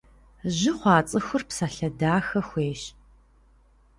Жьы хъуа цӏыхур псалъэ дахэ хуейщ.